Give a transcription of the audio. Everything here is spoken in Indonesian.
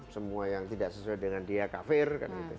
semua yang tidak sesuai dengan dia kafir